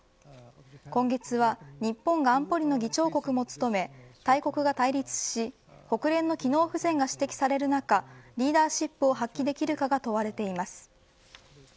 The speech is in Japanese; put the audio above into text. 今月は日本が安保理の議長国も務め大国が対立し国連の機能不全が指摘される中リーダーシップを発揮できるかが問われています。